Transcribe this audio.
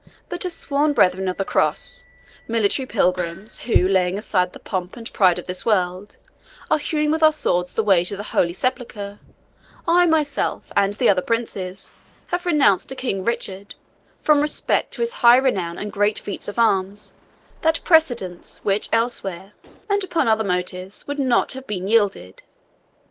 But as sworn brethren of the Cross, military pilgrims, who, laying aside the pomp and pride of this world, are hewing with our swords the way to the Holy Sepulchre, I myself, and the other princes, have renounced to King Richard, from respect to his high renown and great feats of arms, that precedence which elsewhere, and upon other motives, would not have been yielded.